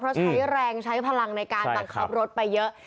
เพราะใช้แรงใช้พลังในการบังคับรถไปเยอะ